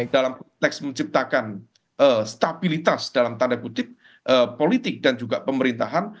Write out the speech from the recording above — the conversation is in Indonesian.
dalam konteks menciptakan stabilitas dalam tanda kutip politik dan juga pemerintahan